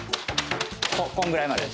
こんぐらいまで。